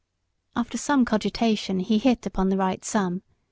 After some cogitation he hit upon the right sum.